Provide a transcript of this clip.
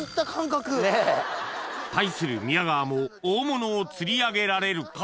対する宮川も大物をつり上げられるか？